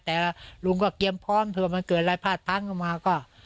แต่ลุงก็เตรียมพร้อมถ้าว่ามันเกิดอะไรพลาดพังเข้ามาก็